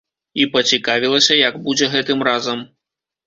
І пацікавілася, як будзе гэтым разам.